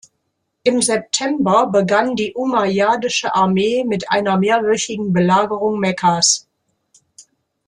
Im September begann die umayyadische Armee mit einer mehrwöchigen Belagerung Mekkas.